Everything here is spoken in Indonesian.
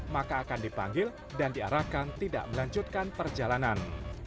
maka akan dipanggil dan diarahkan tidak melanjutkan perjalanan